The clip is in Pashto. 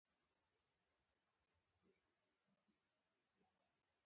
د مانډس محمد خان مجلسونه او د احمد ضیا جان خبرې.